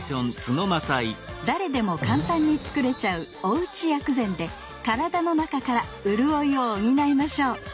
誰でも簡単に作れちゃう「おうち薬膳」で体の中からうるおいを補いましょう！